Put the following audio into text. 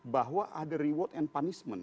bahwa ada reward and punishment